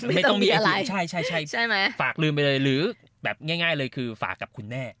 ไม่ต้องมีอาทิตย์ใช่ใช่ไหมฝากลืมไปเลยหรือแบบง่ายเลยคือฝากกับคุณแน่